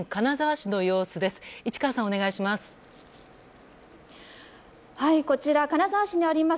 市川さん、お願いします。